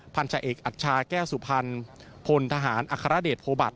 พันธาเอกอัชชาแก้วสุพรรณพลทหารอัครเดชโพบัตร